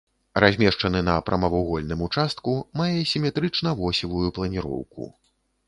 Размешчаны на прамавугольным участку, мае сіметрычна-восевую планіроўку.